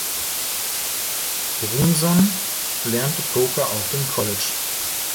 Brunson lernte Poker auf dem College.